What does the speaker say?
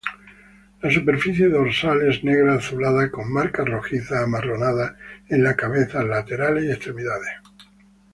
La superficie dorsal es negra-azulada con marcas rojizas-amarronadas en la cabeza, laterales y extremidades.